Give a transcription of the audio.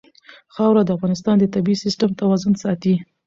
خاوره د افغانستان د طبعي سیسټم توازن ساتي.